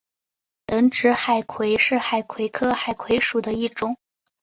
等指海葵是海葵科海葵属的一种。